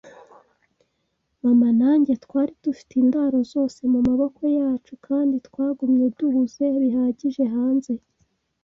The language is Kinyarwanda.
mama nanjye twari dufite indaro zose mumaboko yacu, kandi twagumye duhuze bihagije hanze